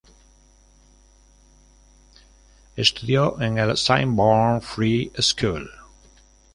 Estudió en el Swinburne Free School.